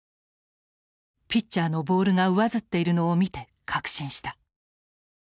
ピッチャーのボールが上ずっているのを見て確信した。